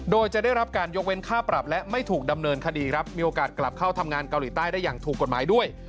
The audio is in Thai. โดยจะได้รับการยกเว้นค่าปรับและไม่ถูกดำเนินคดีครับมีโอกาสกลับเข้าทำงานเกาหลีใต้ได้อย่างถูกกฎหมายด้วย